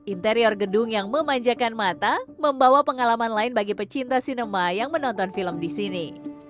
interior gedung yang memanjakan mata membawa pengalaman lain bagi pecinta sinema yang menonton film di sini